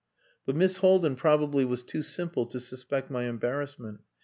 But Miss Haldin probably was too simple to suspect my embarrassment.